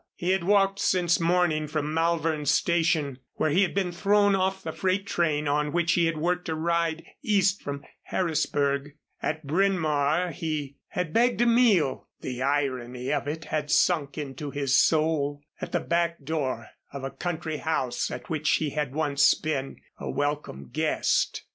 He had walked since morning from Malvern station, where he had been thrown off the freight train on which he had worked a ride east from Harrisburg. At Bryn Mawr he had begged a meal the irony of it had sunk into his soul at the back door of a country house at which he had once been a welcome guest.